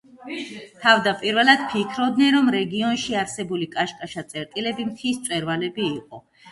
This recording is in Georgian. თავდაპირველად ფიქრობდნენ, რომ რეგიონში არსებული კაშკაშა წერტილები მთის მწვერვალები იყო.